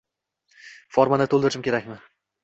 Formani to’ldirishim kerakmi?